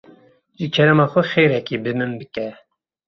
Ji kerema xwe xêrekê bi min bike.